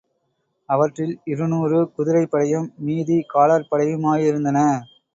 அவற்றில் இருநூறு குதிரைப்படையும் மீதி காலாட் படையுமாயிருந்தன.